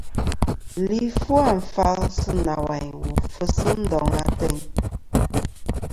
Li fu àfal sɨ nawayn wu fɨsi ndoŋ ateyn.